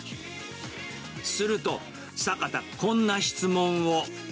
すると、坂田、こんな質問を。